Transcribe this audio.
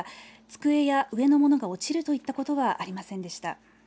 机や上のものが落ちるといったことはありませんでした。